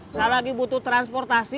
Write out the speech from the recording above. saya lagi butuh transportasi